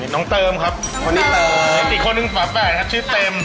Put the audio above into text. นี่น้องเติมครับอีกคนนึงฝาแฝดครับชื่อเต็ม